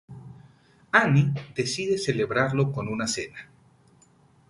Annie decide celebrarlo con una cena.